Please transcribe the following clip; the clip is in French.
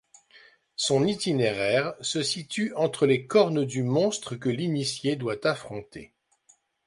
Son itinéraire se situe entre les Cornes du Monstre que l'initié doit affronter.